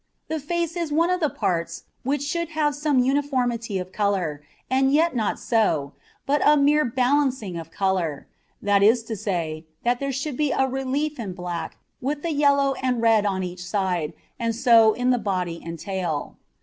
The face is one of the parts which should have some uniformity of colour, and yet not so, but a mere balancing of colour; that is to say, that there should be a relief in black, with the yellow and red on each side, and so in the body and tail.